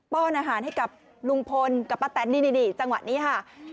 ้อนอาหารให้กับลุงพลกับป้าแตนนี่จังหวะนี้ค่ะ